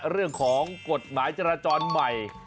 เรื่องของกฎหมายจราจรใหม่